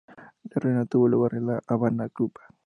La reunión tuvo lugar en La Habana, Cuba.